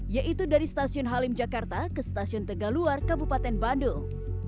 yaitu dari stasiun halim jakarta ke stasiun tegaluar kabupaten bandung